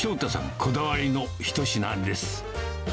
こだわりの一品です。